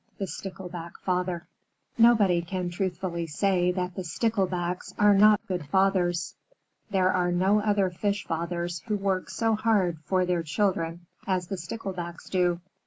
THE STICKLEBACK FATHER Nobody can truthfully say that the Sticklebacks are not good fathers. There are no other fish fathers who work so hard for their children as the Sticklebacks do.